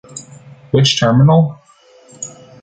Which terminal?